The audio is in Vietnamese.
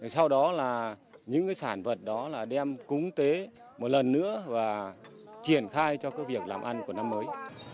sau đó là những cái sản vật đó là đem cúng tết một lần nữa và triển khai cho cái việc làm ăn của năm mới